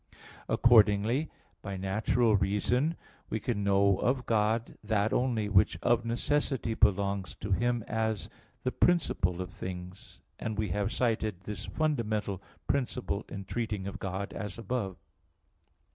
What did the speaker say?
Accordingly, by natural reason we can know of God that only which of necessity belongs to Him as the principle of things, and we have cited this fundamental principle in treating of God as above (Q.